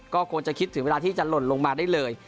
ก็ควรจะคิดถึงเวลาที่จะหล่นลงมาได้เลย